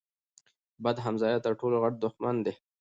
بد همسایه تر ټولو غټ دښمن دی.